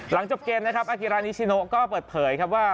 หลังจบเกมนะครับอากิรานิชิโนก็เปิดเผยครับว่า